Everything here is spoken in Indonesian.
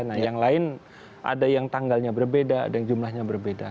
nah yang lain ada yang tanggalnya berbeda ada yang jumlahnya berbeda